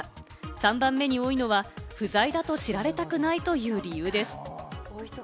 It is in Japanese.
３番目に多いのは不在だと知られたくないという理由です。